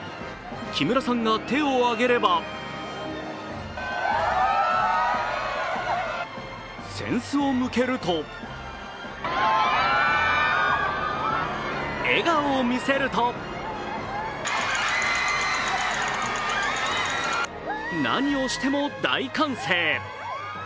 木村さんが手を挙げれば扇子を向けると笑顔を見せると何をしても大歓声。